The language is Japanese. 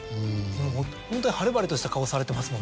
ホントに晴れ晴れとした顔されてますもんね。